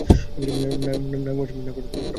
নাগ-মহাশয়ের photo পূজা হয় দেখলুম।